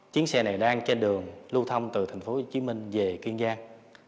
chiếc xe này đang trên đường lưu thông từ tp hcm về kiên giang